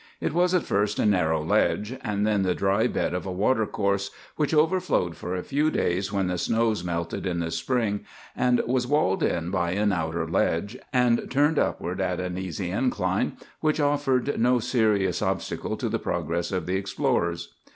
It was at first a narrow ledge, and then the dry bed of a watercourse, which overflowed for a few days when the snows melted in the spring, and was walled in by an outer ledge, and turned upward at an easy incline which offered no serious obstacle to the progress of the explorers.